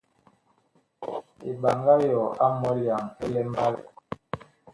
Eɓaŋga yɔɔ a mɔlyaŋ ɛ mbalɛ.